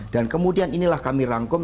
kemudian inilah kami rangkum